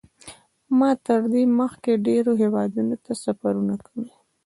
ما تر دې مخکې ډېرو هېوادونو ته سفرونه کړي.